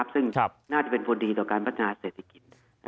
ซึ่งน่าจะเป็นผลดีต่อการพัฒนาเศรษฐกิจ